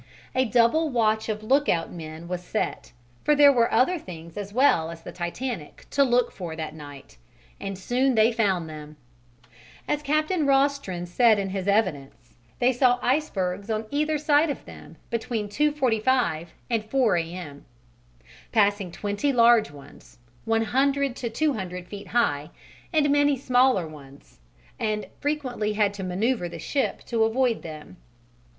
A double watch of lookout men was set, for there were other things as well as the Titanic to look for that night, and soon they found them. As Captain Rostron said in his evidence, they saw icebergs on either side of them between 2.45 and 4 A.M., passing twenty large ones, one hundred to two hundred feet high, and many smaller ones, and "frequently had to manoeuvre the ship to avoid them."